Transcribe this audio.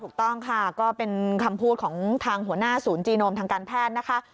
ถูกต้องค่ะก็เป็นคำพูดของทางหัวหน้าศูนย์จีโนมทางการแพทย์นะคะ